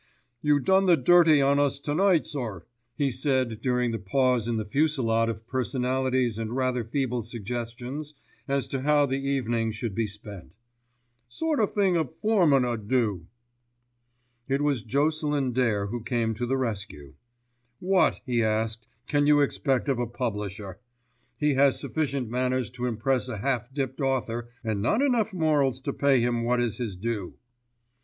"You done the dirty on us to night, sir," he said during a pause in the fusillade of personalities and rather feeble suggestions as to how thee evening should be spent. "Sort o' thing a foreman 'ud do." It was Jocelyn Dare who came to the rescue. "What," he asked, "can you expect of a publisher? He has sufficient manners to impress a half dipped author, and not enough morals to pay him what is his due."